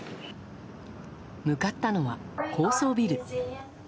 向かったのは高層ビル。